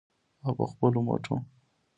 او په خپلو مټو.